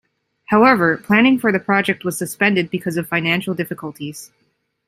However, planning for the project was suspended because of financial difficulties.